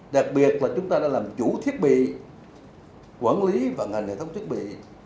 đặc biệt là chúng ta đã làm chủ thiết bị quản lý vận hành hệ thống thiết bị